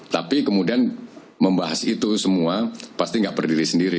tapi kemudian membahas itu semua pasti nggak berdiri sendiri